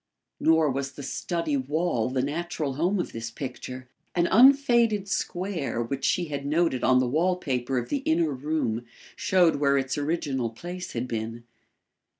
Nor was the study wall the natural home of this picture. An unfaded square which she had noted on the wall paper of the inner room showed where its original place had been.